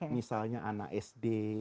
misalnya anak sd